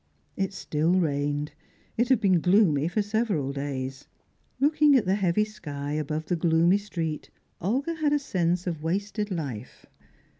It still rained; it had been gloomy for several days. Looking at the heavy sky above the gloomy street, Olga had a sense of wasted life.